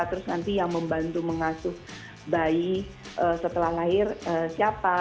terus nanti yang membantu mengasuh bayi setelah lahir siapa